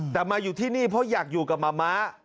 แต่มาอยู่ที่นี่เพราะอยากอยู่กับมะม้า